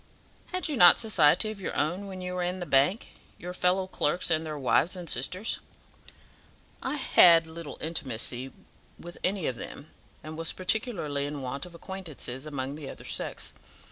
"Had you not society of your own when you were in the bank your fellow clerks and their wives and sisters?" "I had little intimacy with any of them, and was particularly in want of acquaintances among the other sex.